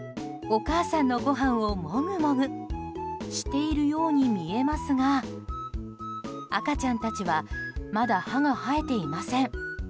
お母さんのごはんをもぐもぐしているように見えますが赤ちゃんたちはまだ、歯が生えていません。